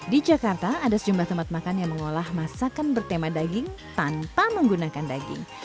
di jakarta ada sejumlah tempat makan yang mengolah masakan bertema daging tanpa menggunakan daging